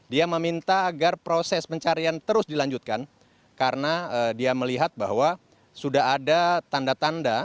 dia meminta agar proses pencarian terus dilanjutkan karena dia melihat bahwa sudah ada tanda tanda